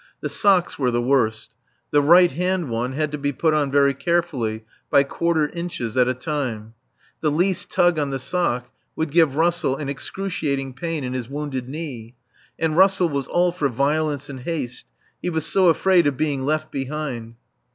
The socks were the worst. The right hand one had to be put on very carefully, by quarter inches at a time; the least tug on the sock would give Russell an excruciating pain in his wounded knee; and Russell was all for violence and haste; he was so afraid of being left behind.